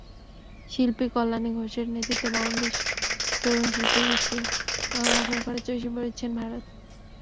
শিল্পী কল্যাণী ঘোষের নেতৃত্বে বাংলাদেশ তরুণ শিল্পীগোষ্ঠী গঠন করে চষে বেড়িয়েছেন ভারত।